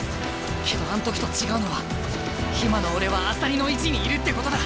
けどあん時と違うのは今の俺は朝利の位置にいるってことだ。